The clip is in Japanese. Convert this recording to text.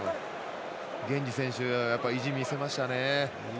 ゲンジ選手、意地見せましたね。